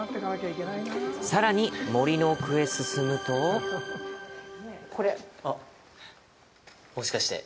さらに森の奥へと進むとあっ、もしかして。